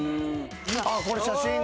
これ写真だ。